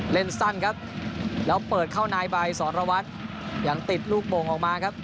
เล่นสั้นครับแล้วเปิดเข้านายไปสรวัตรยังติดลูกโป่งออกมาครับ